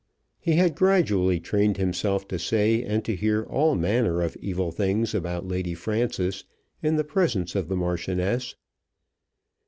He had gradually trained himself to say and to hear all manner of evil things about Lady Frances in the presence of the Marchioness.